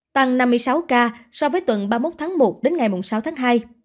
tăng năm mươi sáu ca so với tuần ba mươi một tháng một đến ngày sáu tháng hai